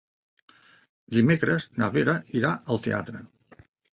Dimecres na Vera irà al teatre.